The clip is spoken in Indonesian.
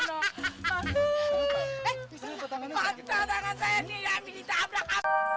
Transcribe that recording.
tangan saya ini ambil ditabrak